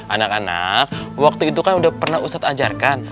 anak anak waktu itu kan udah pernah ustadz ajarkan